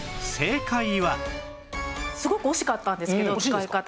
すごく惜しかったんですけど使い方。